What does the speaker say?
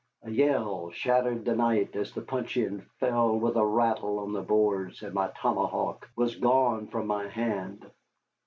A yell shattered the night as the puncheon fell with a rattle on the boards, and my tomahawk was gone from my hand.